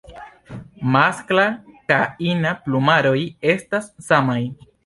Maskla ka ina plumaroj estas samaj.